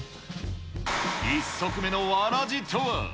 一足目のわらじとは。